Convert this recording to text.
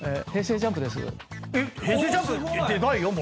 ＪＵＭＰ